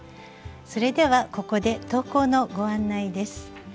それではここで投稿のご案内です。